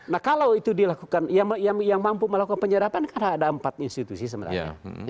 nah kalau itu dilakukan yang mampu melakukan penyerapan karena ada empat institusi sebenarnya